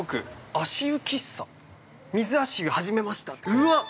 足湯喫茶、水足湯始めました◆うわっ。